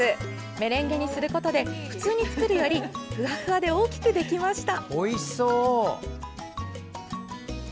メレンゲにすることで普通に作るよりふわふわで大きくできました。